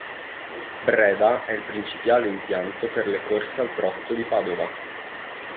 Breda è il principale impianto per le corse al trotto di Padova.